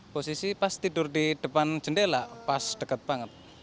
posisi pas tidur di depan jendela pas dekat banget